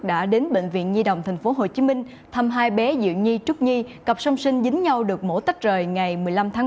đã đến bệnh viện nhi đồng tp hcm thăm hai bé diệu nhi trúc nhi cặp song sinh dính nhau được mổ tách rời ngày một mươi năm tháng bốn